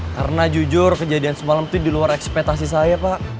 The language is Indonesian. karena jujur kejadian semalam itu diluar ekspetasi saya pak